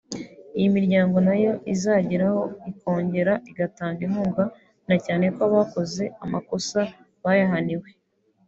iyi miryango nayo izageraho ikongera igatanga inkunga na cyane ko abakoze amakosa bayahaniwe